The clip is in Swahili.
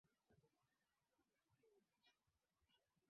Lilikuwa ndio jengo la kwanza kuwa na umeme pamoja na lifti